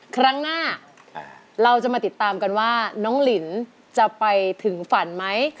ครั้งหน้าเราจะมาติดตามกันว่าน้องลินจะไปถึงฝันไหม